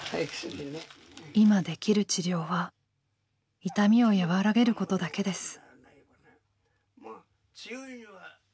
今できる治療は痛みを和らげることだけです。